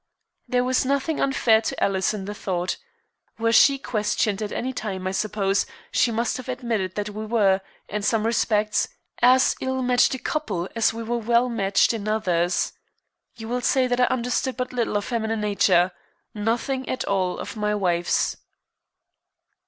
There was nothing unfair to Alice in the thought. Were she questioned at any time, I suppose, she must have admitted that we were, in some respects, as ill matched a couple as we were well matched in others. You will say that I understood but little of feminine nature nothing at all of my wife's.